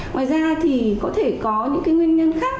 ngoài ra thì có thể có những cái nguyên nhân khác